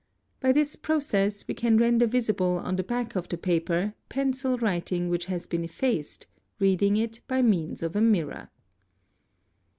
By this process "15, 'we can render visible on the back of the paper pencil writing which has been effaced, reading it by means of a mirror.